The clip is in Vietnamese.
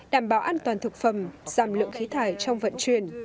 đảm bảo an toàn thực phẩm giảm lượng khí thải trong vận chuyển